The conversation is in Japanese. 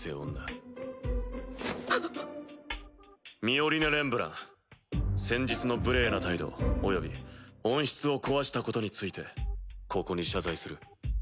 ミオリネ・レンブラン先日の無礼な態度および温室を壊したことについてここに謝罪する。